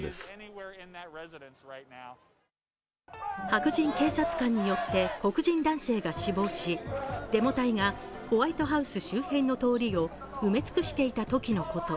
白人警察官によって黒人男性が死亡し、デモ隊がホワイトハウス周辺の通りを埋め尽くしていたときのこと。